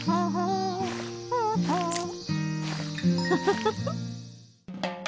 フフフフ。